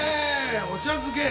お茶漬け！